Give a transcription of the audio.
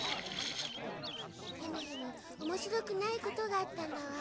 ヘムヘムおもしろくないことがあったんだわ。